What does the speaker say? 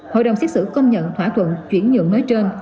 hội đồng xét xử công nhận thỏa thuận chuyển nhượng nói trên